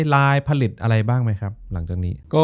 ลายผลิตอะไรบ้างไหมครับหลังจากนี้